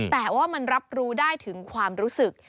แต่ว่ามันรับรู้ได้ถึงความรู้สึก